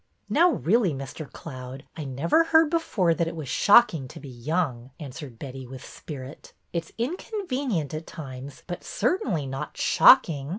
Now, really, Mr. Cloud, I never heard before that it was ' shocking ' to be young," answered Betty, with spirit. It 's inconvenient at times, but certainly not shocking.